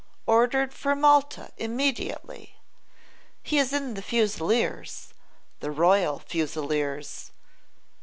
Ordered for Malta immediately. He is in the Fusileers, the Royal Fusileers.